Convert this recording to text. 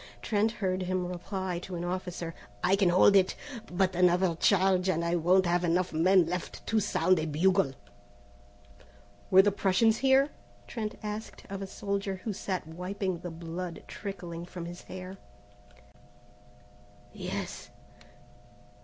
Trent heard him reply to an officer: "I can hold it, but another charge, and I won't have enough men left to sound a bugle." "Were the Prussians here?" Trent asked of a soldier who sat wiping the blood trickling from his hair. "Yes.